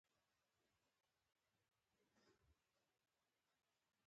جانداد د نرم فکر استازی دی.